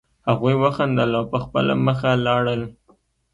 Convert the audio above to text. هغوی وخندل او په خپله مخه لاړل